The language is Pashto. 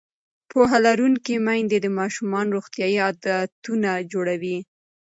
پوهه لرونکې میندې د ماشومانو روغتیایي عادتونه جوړوي.